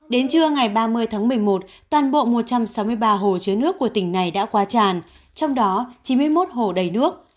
đến trưa ngày ba mươi tháng một mươi một toàn bộ một trăm sáu mươi ba hồ chứa nước của tỉnh này đã qua tràn trong đó chín mươi một hồ đầy nước